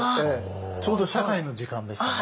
ちょうど社会の時間でしたね。